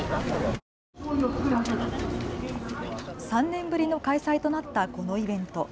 ３年ぶりの開催となったこのイベント。